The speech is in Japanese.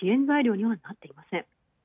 材料にはなっていません。